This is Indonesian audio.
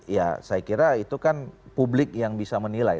ya saya kira itu kan publik yang bisa menilai